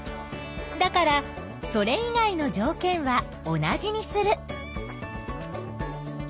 だからそれ以外のじょうけんは同じにする。